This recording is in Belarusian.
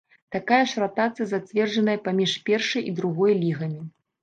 Такая ж ратацыя зацверджаная паміж першай і другой лігамі.